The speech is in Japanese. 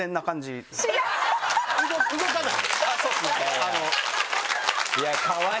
動かない？